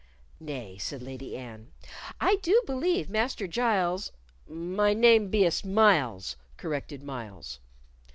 "Nay," said Lady Anne, "I do believe Master Giles " "My name be'st Myles," corrected Myles.